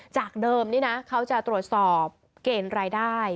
จากเดิมนี่นะเขาจะตรวจสอบเกณฑ์รายได้